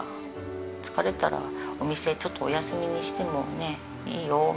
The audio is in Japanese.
「疲れたらお店ちょっとお休みにしてもいいよ」みたいなのを。